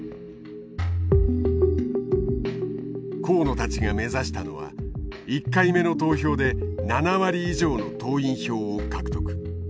河野たちが目指したのは１回目の投票で７割以上の党員票を獲得。